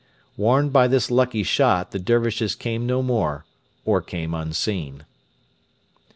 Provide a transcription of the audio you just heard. Warned by this lucky shot the Dervishes came no more, or came unseen.